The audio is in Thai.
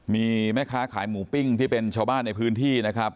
มีแม่ค้าขายหมูปิ้งที่เป็นชาวบ้านในพื้นที่นะครับ